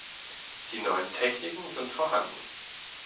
Die neuen Techniken sind vorhanden.